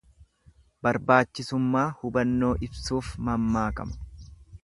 Barbaachisummaa hubannoo ibsuuf mammaakama.